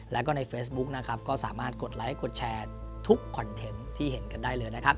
แล้วก็ในเฟซบุ๊กนะครับก็สามารถกดไลค์กดแชร์ทุกคอนเทนต์ที่เห็นกันได้เลยนะครับ